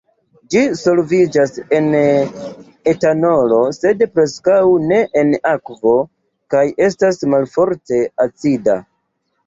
Ĝi solviĝas en etanolo, sed preskaŭ ne en akvo, kaj estas malforte acida.